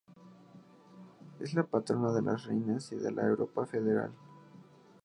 Es la patrona de las reinas y de la Europa Federal.